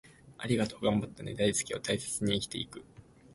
『ありがとう』、『頑張ったね』、『大好き』を大切にして生きていく